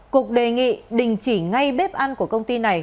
cục đề nghị đình chỉ ngay bếp ăn của công ty này